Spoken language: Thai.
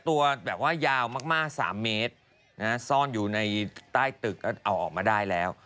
ตัวแบบว่ายาวมาก๓เมตรซ่อนอยู่ในใต้ตึกก็เอาออกมาได้แล้ว